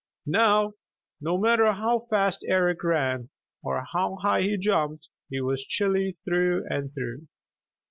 Now no matter how fast Eric ran, or how high he jumped, he was chilly through and through.